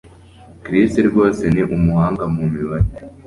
Chris rwose ni umuhanga mu mibare